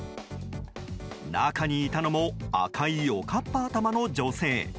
中にいたのも赤いおかっぱ頭の女性。